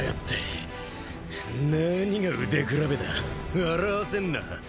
なぁにが腕比べだ笑わせんな。